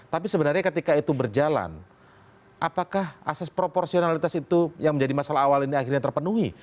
tapi sebenarnya ketika itu berjalan apakah asas proporsionalitas itu yang menjadi masalah awal ini akhirnya terpenuhi